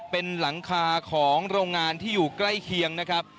เป็นหลังคาของโรงงานที่อยู่ใกล้เคียงนะครับ